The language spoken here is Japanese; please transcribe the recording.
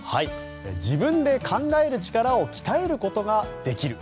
自分で考える力を鍛えることができる。